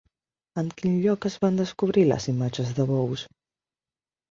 En quin lloc es van descobrir les imatges de bous?